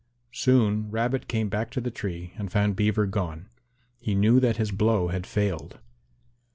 Soon Rabbit came back to the tree and found Beaver gone. He knew that his blow had failed.